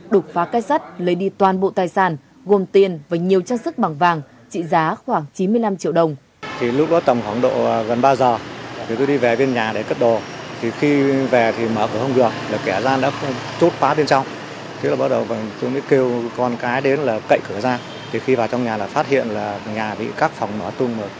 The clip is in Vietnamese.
đục phá kết sát lấy đi toàn bộ tài sản gồm tiền và nhiều trang sức bằng vàng trị giá khoảng chín mươi năm triệu đồng